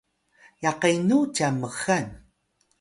yaqenu cyan mxal?